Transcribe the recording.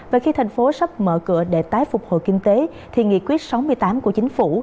và khi thành phố sắp mở cửa để tái phục hồi kinh tế thì nghị quyết sáu mươi tám của chính phủ